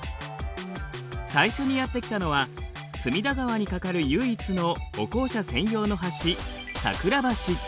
最初にやって来たのは隅田川に架かる唯一の歩行者専用の橋桜橋。